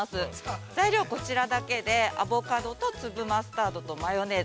材料はこちらだけで、アボカドと粒マスタードとマヨネーズ。